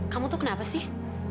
kamu tuh kenapa sih